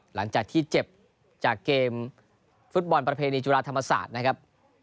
หลังจากที่เจ็บจากเกมฟุตบอลประเพณีจุฬาธรรมศาสตร์นะครับ